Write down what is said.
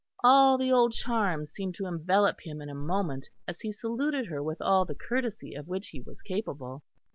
All the old charm seemed to envelop him in a moment as he saluted her with all the courtesy of which he was capable.